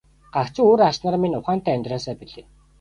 Гагцхүү үр ач нар минь ухаантай амьдраасай билээ.